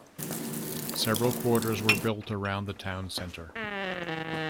Several quarters were built around the town centre.